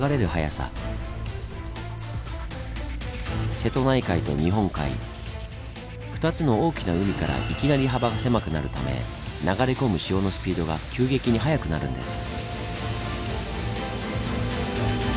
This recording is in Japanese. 瀬戸内海と日本海２つの大きな海からいきなり幅が狭くなるため流れ込む潮のスピードが急激に速くなるんです。